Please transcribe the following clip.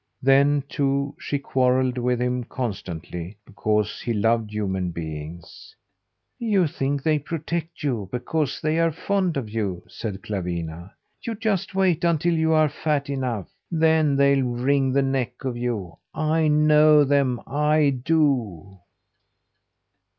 Then, too, she quarrelled with him constantly, because he loved human beings. "You think they protect you because they are fond of you," said Clawina. "You just wait until you are fat enough! Then they'll wring the neck off you. I know them, I do."